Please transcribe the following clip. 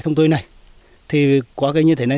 thông tin này thì có cây như thế này